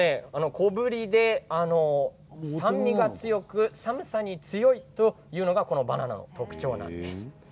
小ぶりで酸味が強く寒さに強いというのがこのバナナの特徴なんです。